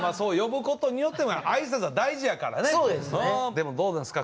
でもどうですか？